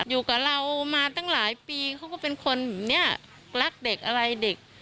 อยู่กับเรามาตั้งหลายปีเขาก็เป็นคนแบบนี้รักเด็กอะไรเด็ก